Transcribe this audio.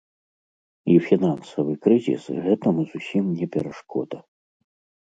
І фінансавы крызіс гэтаму зусім не перашкода.